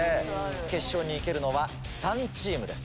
決勝に行けるのは３チームです。